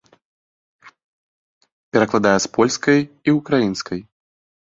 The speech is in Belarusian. Перакладае з польскай і ўкраінскай.